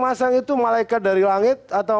masang itu malaikat dari langit atau